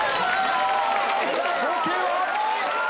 合計は？